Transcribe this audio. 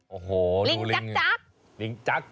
โอ้โหดูลิ่นมากเลยค่ะลิงจัก